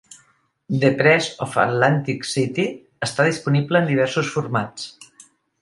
"The Press of Atlantic City" està disponible en diversos formats.